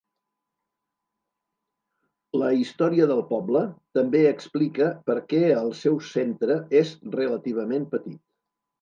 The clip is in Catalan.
La història del poble també explica per què el seu centre és relativament petit.